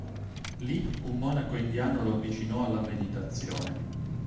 Lì un monaco indiano lo avvicinò alla meditazione.